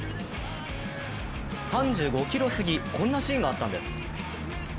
３５ｋｍ過ぎ、こんなシーンがあったんです。